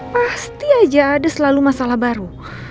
pasti aja ada selalu masalah baru